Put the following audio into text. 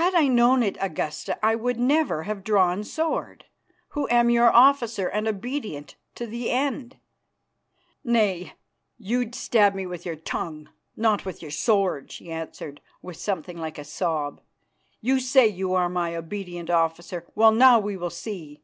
"Had I known it, Augusta, I would never have drawn sword, who am your officer and obedient to the end." "Nay, you'd stab me with your tongue, not with your sword," she answered with something like a sob. "You say you are my obedient officer. Well, now we will see.